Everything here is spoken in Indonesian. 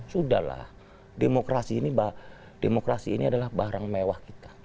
sudah lah demokrasi ini adalah barang mewah kita